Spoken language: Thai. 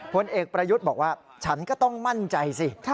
ผลเอกประยุทธ์บอกว่าฉันก็ต้องมั่นใจสิ